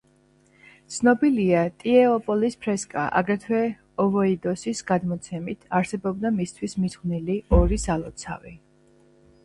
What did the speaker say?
ცნობილია ტიეოპოლის ფრესკა, აგრეთვე ოვოიდოსის გადმოცემით, არსებობდა მისთვის მიძღვნილი ორი სალოცავი.